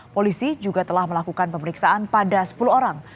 polisi juga telah melakukan pemeriksaan pada sepuluh orang